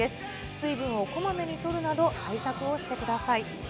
水分をこまめにとるなど対策をしてください。